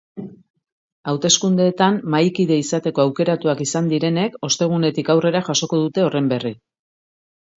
Hauteskundeetan mahaikide izateko aukeratuak izan direnek ostegunetik aurrera jasoko dute horren berri.